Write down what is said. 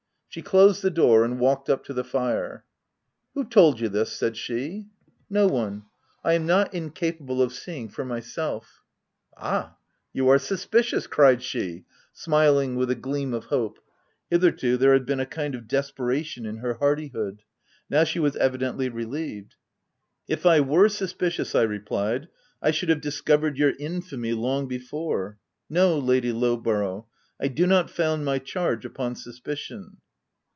She ctased the door, and walked up to the fire. u Who told you this ?" said she. " No one : I am not incapable of seeing for myself/' "Ah, you are suspicious !" cried she, smiling with a gleam of hope— hitherto, there had been a kind of desperation in her hardihood ; now she w r as evidently relieved. " If I were suspicious," I replied, " I should have discovered your infamy long before, No, Lady Lowborough, I do not found my charge upon suspicion."